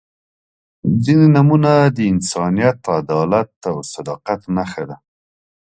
• ځینې نومونه د انسانیت، عدالت او صداقت نښه ده.